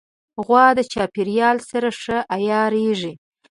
غوا د چاپېریال سره ښه عیارېږي.